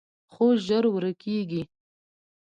خو ژر ورکېږي